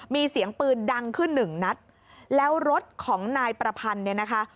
มีเสียงปืนดังขึ้นหนึ่งนัดแล้วรถของนายประพันธ์เนี่ยนะคะ